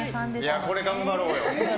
これ頑張ろうよ。